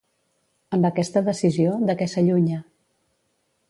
Amb aquesta decisió, de què s'allunya?